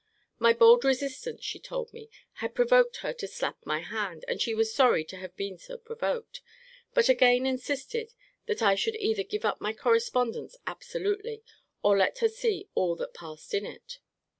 My bold resistance, she told me, had provoked her to slap my hand; and she was sorry to have been so provoked. But again insisted that I would either give up my correspondence absolutely, or let her see all that passed in it.